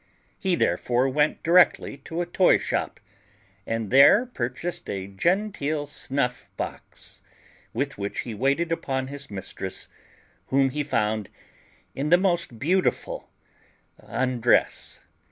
He therefore went directly to a toy shop, and there purchased a genteel snuff box, with which he waited upon his mistress, whom he found in the most beautiful undress.